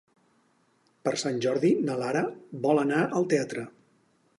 Per Sant Jordi na Lara vol anar al teatre.